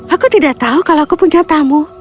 aku tidak tahu kalau aku punya tamu